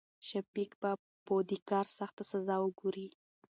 شفيق به په د کار سخته سزا وګوري.